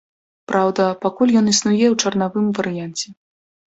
Праўда, пакуль ён існуе ў чарнавым варыянце.